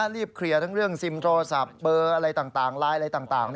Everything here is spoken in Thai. รีบเคลียร์ทั้งเรื่องซิมโทรศัพท์เบอร์อะไรต่างไลน์อะไรต่าง